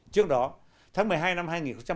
trước đó tháng một mươi hai năm hai nghìn một mươi tám